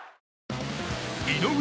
井上